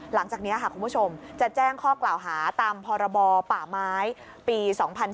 หลังจากนี้คุณผู้ชมจะแจ้งข้อกล่าวหาตามพรบป่าไม้ปี๒๔